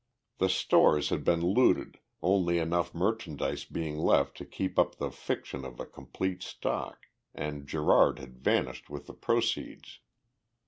The stores had been looted, only enough merchandise being left to keep up the fiction of a complete stock, and Gerard had vanished with the proceeds.